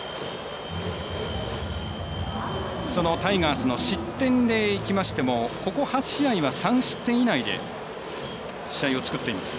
タイガースの失点でいきましてもここ８試合は３失点以内で試合を作っています。